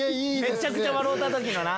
めちゃくちゃ笑うた時のな。